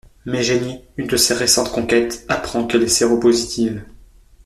Mais Jennie, une de ses récentes conquêtes, apprend qu'elle est séropositive.